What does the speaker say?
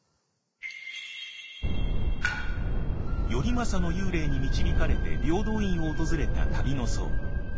頼政の幽霊に導かれて平等院を訪れた旅の僧。